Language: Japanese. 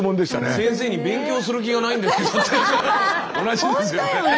先生に「勉強する気がないんですけど」って同じですよね。